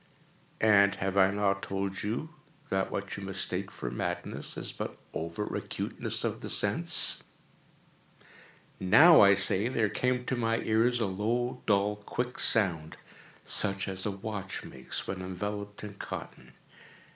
And have I not told you that what you mistake for madness is but over acuteness of the sense?—now, I say, there came to my ears a low, dull, quick sound, such as a watch makes when enveloped in cotton.